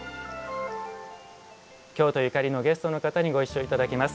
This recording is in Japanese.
京都にゆかりのあるゲストの方にご一緒いただきます。